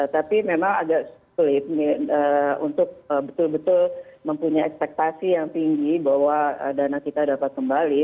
tapi memang agak sulit untuk betul betul mempunyai ekspektasi yang tinggi bahwa dana kita dapat kembali